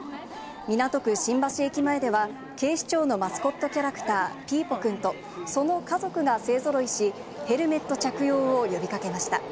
港区新橋駅前では、警視庁のマスコットキャラクター、ピーポくんと、その家族が勢ぞろいし、ヘルメット着用を呼びかけました。